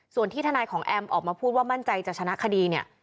ส่วนที่ทนายของแอมออกมาพูดว่ามั่นใจจะชนะคดีเนี่ย